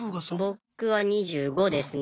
僕は２５ですね。